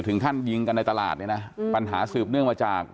ถึงขั้นยิงกันในตลาดเนี่ยนะปัญหาสืบเนื่องมาจาก